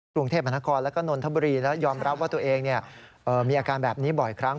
ชั่นทหารประมาณ๓เป็นเชิงที่ช่วยแบบนี้และนอนทบรีและยอมรับว่าตัวเองมีอาการแบบนี้บ่อยครั้ง